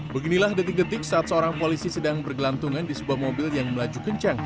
beginilah detik detik saat seorang polisi sedang bergelantungan di sebuah mobil yang melaju kencang